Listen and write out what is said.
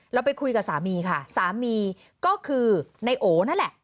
เราไปคุยกับสามีค่ะสามีก็คือในโอนั่นแหละ